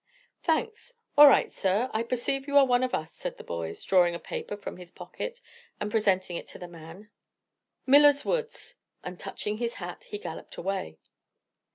"Thanks! all right sir; I perceive you are one of us," said the boy, drawing a paper from his pocket and presenting it to the man. "Miller's Woods!" and touching his hat he galloped away.